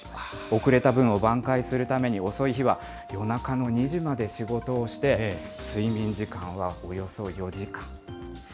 遅れた分を挽回するために、遅い日は夜中の２時まで仕事をして、睡眠時間はおよそ４時間。